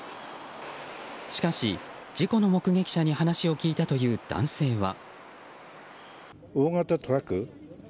しかし、事故の目撃者に話を聞いたという男性は。